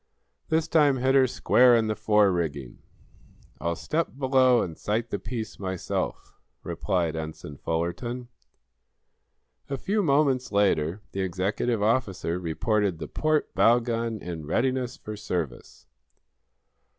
"This time hit her square in the fore rigging." "I'll step below and sight the piece myself," replied Ensign Fullerton. A few moments later the executive officer reported the port bow gun in readiness for service.